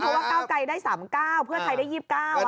เพราะว่าก้าวไกลได้๓๙เพื่อไทยได้๒๙